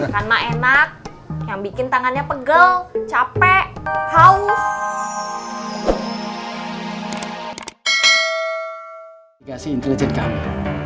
kan mah enak yang bikin tangannya pegel capek haus